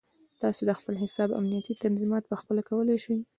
تاسو د خپل حساب امنیتي تنظیمات پخپله کولی شئ.